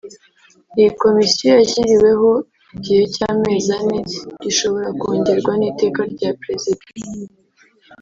Iyi Komisiyo yashyiriweho igihe cy’amezi ane gishobora kongerwa n’Iteka rya Perezida